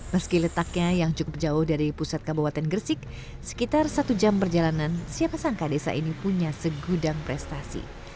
meski letaknya yang cukup jauh dari pusat kabupaten gresik sekitar satu jam perjalanan siapa sangka desa ini punya segudang prestasi